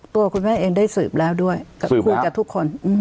ตัวคุณแม่เองได้สืบแล้วด้วยคุยกับทุกคน